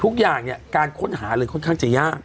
ทุกอย่างเนี่ยการค้นหาเลยค่อนข้างจะยาก